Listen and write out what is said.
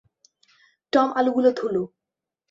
Tom আলুগুলো ধুলো।